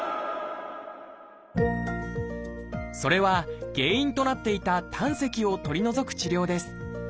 それは原因となっていた胆石を取り除く治療です。